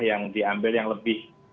yang diambil yang lebih